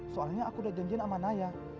soalnya aku udah janjian sama naya